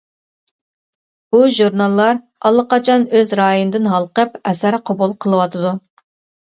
بۇ ژۇرناللار ئاللىقاچان ئۆز رايونىدىن ھالقىپ ئەسەر قوبۇل قىلىۋاتىدۇ.